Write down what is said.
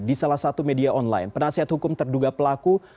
di salah satu media online penasihat hukum terduga pelaku